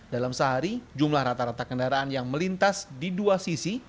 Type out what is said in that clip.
dalam sehari jumlah rata rata kendaraan yang melintas di dua sisi